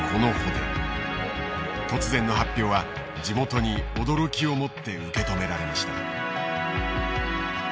突然の発表は地元に驚きをもって受け止められました。